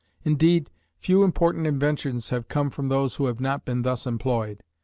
Indeed, few important inventions have come from those who have not been thus employed.